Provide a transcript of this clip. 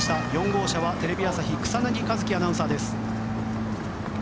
４号車はテレビ朝日草薙和輝アナウンサーです。